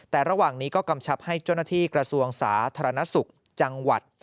แต่ระหว่างนี้ก็กำชับให้เจ้าหน้าที่กระทรวงสาธารณสุขจังหวัด